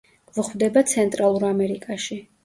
გვხვდება ცენტრალურ ამერიკაში.